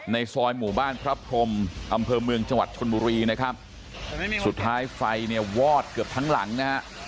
ในซอยหมู่บ้านพระพรมอำเภอเมืองจังหวัดชนบุรีนะครับสุดท้ายไฟเนี่ยวอดเกือบทั้งหลังนะฮะ